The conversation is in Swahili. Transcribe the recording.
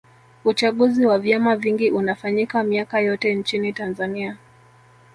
uchaguzi wa vyama vingi unafanyika miaka yote nchini tanzania